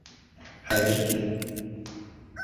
Хәҙер килеп...